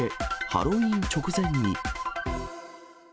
ハロウィーン直前に。